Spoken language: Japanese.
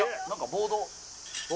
ボード？